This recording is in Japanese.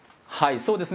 そうですね